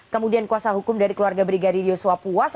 kemudian kuasa hukum dari keluarga brigadir yusuf al terakhir puas